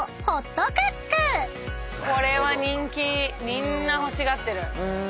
みんな欲しがってる。